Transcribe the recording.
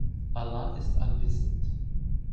Allah ist allwissend.